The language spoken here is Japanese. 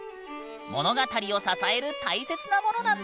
物語を支える大切なものなんだ。